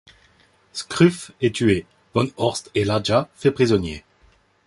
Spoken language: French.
Skruf est tué, Von Horst et La-ja faits prisonniers.